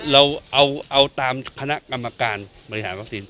เราเอาตามคณะกรรมการบริหารวัคซีน